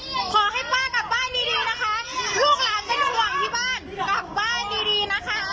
ค่ะค่ะขอให้ป้ากลับบ้านดีนะคะลูกหลังได้ถ่วงที่บ้านกลับบ้านดีนะคะ